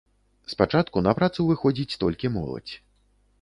Спачатку на працу выходзіць толькі моладзь.